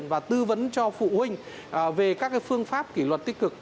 và tư vấn cho phụ huynh về các phương pháp kỷ luật tích cực